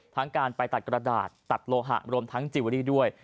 ทั้งการไปตัดกระดาษตัดโลหะรวมทั้งจิเวอรี่ด้วย